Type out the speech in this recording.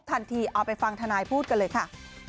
ทันทีเอาไปฟังธนายพูดกันเลยค่ะ